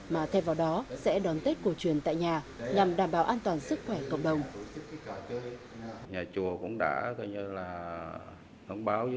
mà thay vào đó sẽ đón tết cổ truyền tại nhà nhằm đảm bảo an toàn sức khỏe cộng đồng